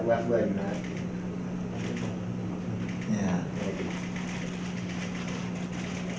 อ๋อไม่มีพิสิทธิ์